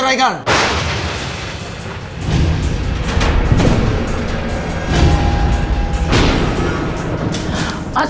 mulai sekarang kamu saya ceraikan